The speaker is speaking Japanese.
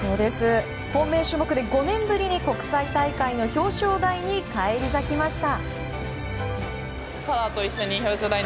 本命種目で５年ぶりに国際大会の表彰台に返り咲きました。